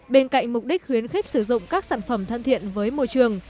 bên cạnh mục đích khuyến khích sử dụng các sản phẩm thân thiện với môi trường